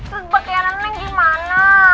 terus pakaian neng gimana